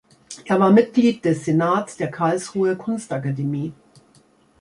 Er war Mitglied des Senats der Karlsruher Kunstakademie.